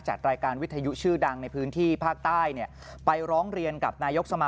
ไม่ได้เป็นไรพี่อย่ามาโด่งนะพี่ก็ไม่ชอบนะ